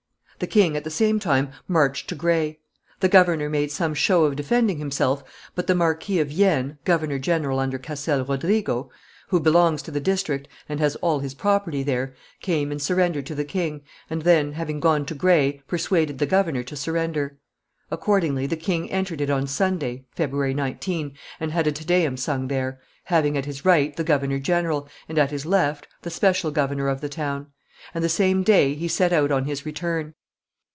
The king at the same time marched to Gray. The governor made some show of defending himself, but the Marquis of Yenne, governor general under Castel Rodriguo, who belongs to the district and has all his property there, came and surrendered to the king, and then, having gone to Gray, persuaded the governor to surrender. Accordingly, the king entered it on Sunday, February 19, and had a Te Deum sung there, having at his right the governor general, and at his left the special governor of the town; and, the same day, he set out on his return.